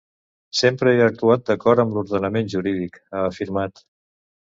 Sempre he actuat d’acord amb l’ordenament jurídic, ha afirmat.